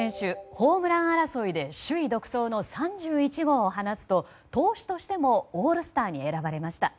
ホームラン争いで首位独走の３１号を放つと投手としてもオールスターに選ばれました。